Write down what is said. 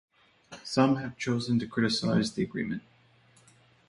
Some have chosen to criticise the Agreement.